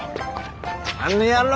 あの野郎！